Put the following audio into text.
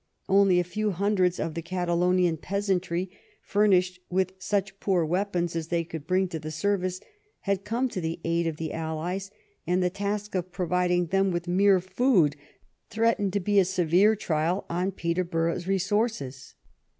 Only a few hundreds of the Catalonian peasantry, furnished with such poor weapons as they could bring to the service, had come to the aid of the allies, and the task of providing them with mere food threatened to be a severe trial on Peterborough's resources.